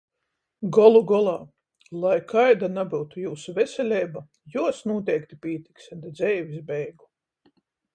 Golu golā - lai kaida nabyutu jiusu veseleiba, juos nūteikti pītiks da dzeivis beigu...